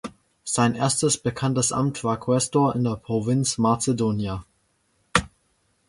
Sein erstes bekanntes Amt war Quaestor in der Provinz Macedonia.